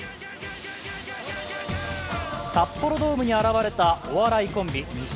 札幌ドームに現れたお笑いコンビ錦鯉。